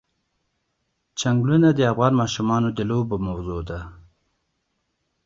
چنګلونه د افغان ماشومانو د لوبو موضوع ده.